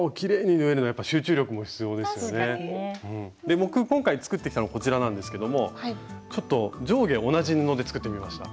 僕今回作ってきたのこちらなんですけどもちょっと上下同じ布で作ってみました。